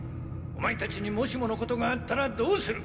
オマエたちにもしものことがあったらどうする！